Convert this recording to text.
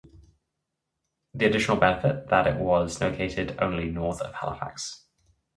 The additional benefit that it was located only north of Halifax.